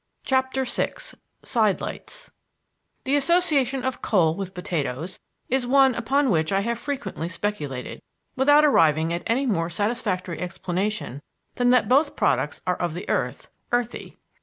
CHAPTER VI SIDELIGHTS The association of coal with potatoes is one upon which I have frequently speculated, without arriving at any more satisfactory explanation than that both products are of the earth, earthy.